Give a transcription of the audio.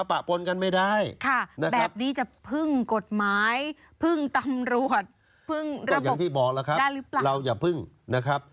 พึ่งระบบได้หรือเปล่าก็อย่างที่บอกแล้วครับเราอย่าพึ่งนะครับ